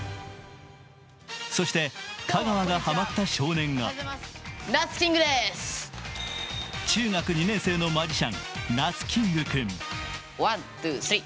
そして香川がハマった少年が中学２年生のマジシャン、なつキング君。